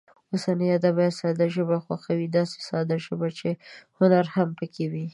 اوسني ادبیات ساده ژبه خوښوي، داسې ساده ژبه چې هنر هم پکې وي.